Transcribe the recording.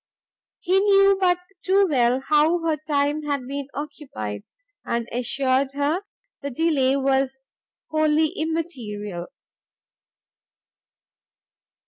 He knew but too well how her time had been occupied, and assured her the delay was wholly immaterial.